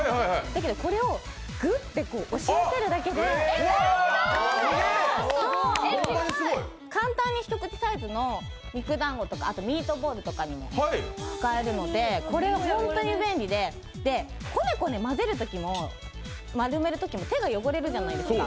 だけどこれをグッテ押し当てるだけで簡単に一口サイズの肉だんごとか、ミートボールとかにも使えるのでこれ、本当に便利で、こねこね混ぜるときも丸めるときも手がよごれるじゃないですか。